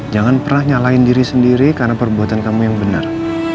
jangan pernah nyalain diri sendiri karena perbuatan kamu yang benar